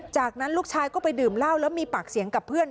จากนั้นลูกชายก็ไปดื่มเหล้าแล้วมีปากเสียงกับเพื่อน